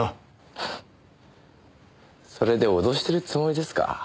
ハハッそれで脅してるつもりですか？